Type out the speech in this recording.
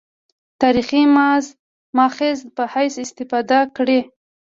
تاریخي مأخذ په حیث استفاده کړې.